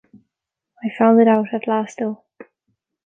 I found it out at last though.